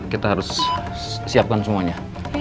kita harus siapkan semuanya